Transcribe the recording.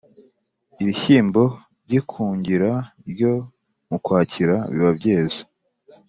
ibishyimbo by’ikungira ryo mu kwakira biba byeze